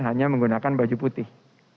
hanya menggunakan baju putih